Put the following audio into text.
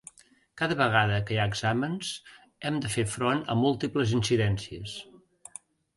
Cada vegada que hi ha exàmens hem de fer front a múltiples incidències.